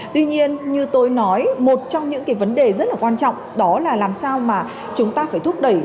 tuy nhiên như tôi nói một trong những cái vấn đề rất là quan trọng đó là làm sao mà chúng ta phải thúc đẩy